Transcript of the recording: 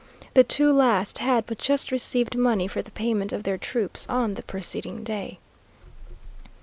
The two last had but just received money for the payment of their troops on the preceding day.